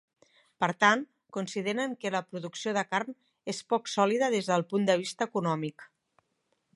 Per tant, consideren que la producció de carn és poc sòlida des del punt de vista econòmic.